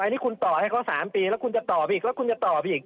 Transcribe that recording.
นี่คุณต่อให้เขา๓ปีแล้วคุณจะตอบอีกแล้วคุณจะตอบอีก